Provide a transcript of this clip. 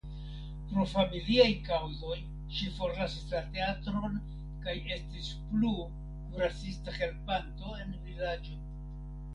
Pro familiaj kaŭzoj ŝi forlasis la teatron kaj estis plu kuracista helpanto en vilaĝo.